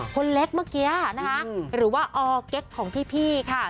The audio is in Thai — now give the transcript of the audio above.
คนเล็กเมื่อกี้นะคะหรือว่าออร์เก๊กของพี่ค่ะ